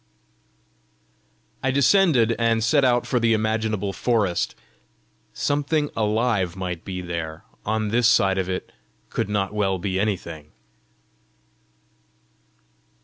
I descended, and set out for the imaginable forest: something alive might be there; on this side of it could not well be anything!